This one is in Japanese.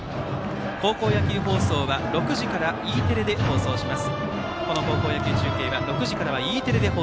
高校野球放送は６時からＥテレで放送します。